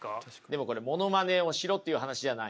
でもこれものまねをしろっていう話じゃないんです。